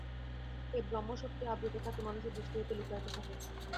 এই ব্রহ্মশক্তি আবৃত থাকে, মানুষের দৃষ্টি হইতে লুক্কায়িত থাকে।